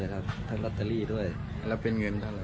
หากคุณไม่เยี่ยมสนุนเพิ่มไปทำวัสดิ์